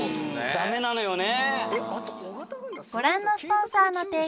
ダメなのよね。